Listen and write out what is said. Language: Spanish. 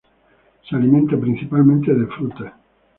Se alimenta principalmente de frutas.